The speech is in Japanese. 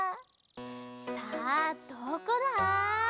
さあどこだ？